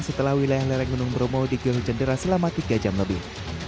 setelah wilayah lereng gunung bromo digelujen dera selama tiga jam lebih